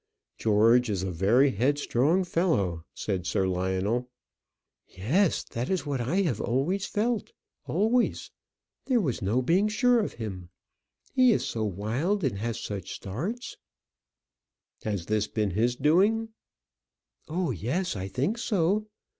"George is a very headstrong fellow," said Sir Lionel. "Yes, that is what I have always felt; always. There was no being sure with him. He is so wild, and has such starts." "Has this been his doing?" "Oh, yes, I think so.